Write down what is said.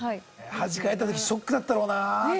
弾かれた時ショックだったろうな毒。